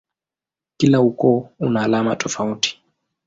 Kila ukoo una alama tofauti.